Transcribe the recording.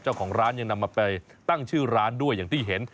เจ้าของร้านยังนำมาไปตั้งชื่อร้านด้วยอย่างที่เห็น